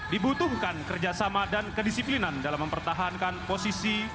dibutuhkan kerjasama dan kedisiplinan dalam mempertahankan posisi